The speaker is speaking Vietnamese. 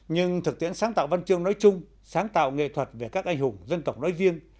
nhưng thực tiễn sáng tạo văn chương nói chung sáng tạo nghệ thuật về các anh hùng dân tộc nói riêng